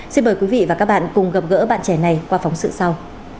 xin mời quý vị và các bạn cùng gặp gỡ bạn trẻ này qua phóng sự sau